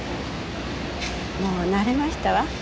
もう慣れましたわ。